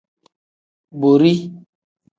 Borii.